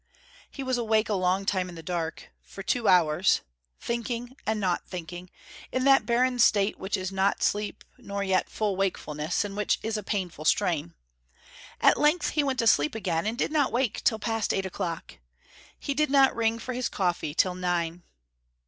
He was awake a long time in the dark for two hours, thinking and not thinking, in that barren state which is not sleep, nor yet full wakefulness, and which is a painful strain. At length he went to sleep again, and did not wake till past eight o'clock. He did not ring for his coffee till nine.